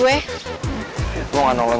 jadi gue bisa selesaikan